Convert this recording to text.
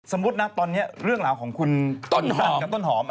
สมมุตินะตอนเนี้ยเรื่องของของคุณตอนหอม